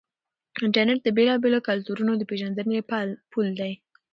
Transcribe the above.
انټرنیټ د بېلابېلو کلتورونو د پیژندنې پل دی.